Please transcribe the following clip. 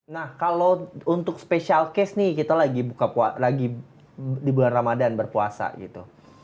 nah kalau untuk special case nih kita lagi di bulan ramadhan berpuasa gitu